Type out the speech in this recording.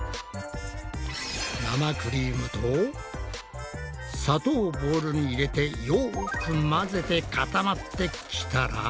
生クリームと砂糖をボウルに入れてよく混ぜてかたまってきたら。